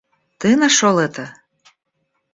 Ты нашел это?